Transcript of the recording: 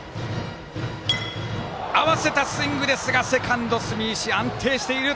あわせたスイングですが住石安定している。